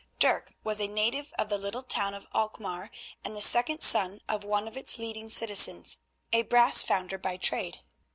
Dirk was a native of the little town of Alkmaar, and the second son of one of its leading citizens, a brass founder by trade.